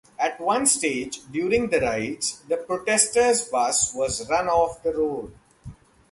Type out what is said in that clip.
At one stage during the Rides, the protesters' bus was run off the road.